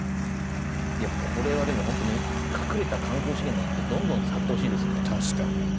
これは、でも隠れた観光資源なんでどんどん使ってほしいですよね。